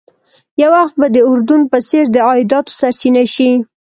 یو وخت به د اردن په څېر د عایداتو سرچینه شي.